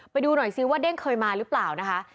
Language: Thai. ไปดูหน่อยซิว่าเด้งเคยมาหรือเปล่านะคะ